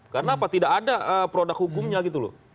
karena apa tidak ada produk hukumnya gitu loh